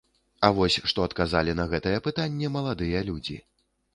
А вось што адказалі на гэтае пытанне маладыя людзі.